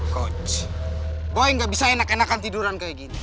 koc boy yang gak bisa enakan enakan tiduran gue